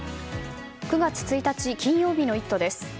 ９月１日、金曜日の「イット！」です。